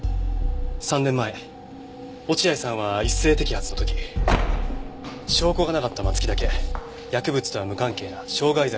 ３年前落合さんは一斉摘発の時証拠がなかった松木だけ薬物とは無関係な傷害罪で送検し。